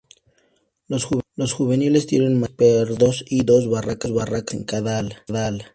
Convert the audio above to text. Los juveniles tienen matices pardos y dos barras claras en cada ala.